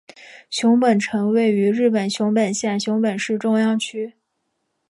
熊本城位于日本熊本县熊本市中央区。